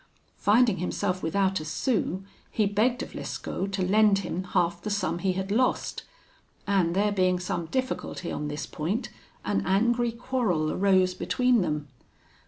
Finding himself without a sou, he begged of Lescaut to lend him half the sum he had lost; and there being some difficulty on this point, an angry quarrel arose between them.